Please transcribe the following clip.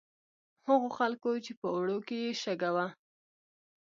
هغو خلکو چې په اوړو کې یې شګه وه.